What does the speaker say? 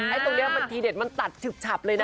ตรงนี้ทีเด็ดมันตัดฉึบฉับเลยนะ